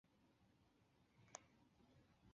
但是因为时间不够